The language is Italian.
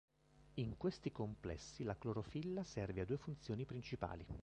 In questi complessi la clorofilla serve a due funzioni principali.